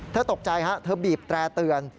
เธอตกใจเธอบีบแตรเตือน